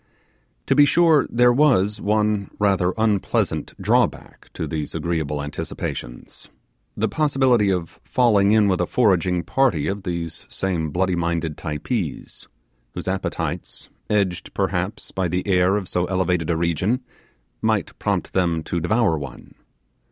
To be sure there was one rather unpleasant drawback to these agreeable anticipations the possibility of falling in with a foraging party of these same bloody minded Typees, whose appetites, edged perhaps by the air of so elevated a region, might prompt them to devour one.